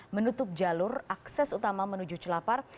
menutup jalur akses utama menuju celapar